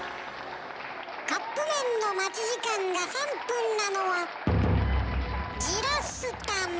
カップ麺の待ち時間が３分なのは焦らすため。